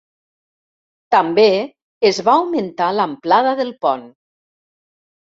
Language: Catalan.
També es va augmentar l'amplada del pont.